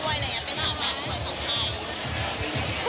เป็นสาวหน้าสวยของใคร